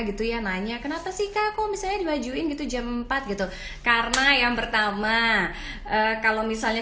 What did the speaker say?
gitu ya nanya kenapa sih kak kok misalnya dibajuin gitu jam empat gitu karena yang pertama kalau misalnya